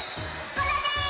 コロです！